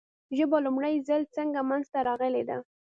ژبه لومړی ځل څنګه منځ ته راغلې ده ؟